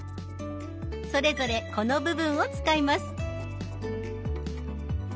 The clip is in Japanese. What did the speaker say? それぞれこの部分を使います。